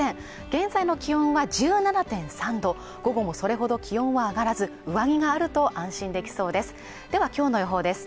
現在の気温は１７．３度午後もそれほど気温は上がらず上着があると安心できそうですではきょうの予報です